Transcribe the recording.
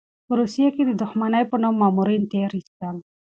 په روسيې کې یې د دښمنۍ په نوم مامورین تېر ایستل.